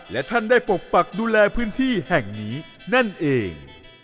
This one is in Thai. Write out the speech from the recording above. และท่านได้ปกปักดูแลพื้นที่แห่งนี้นั่นเอง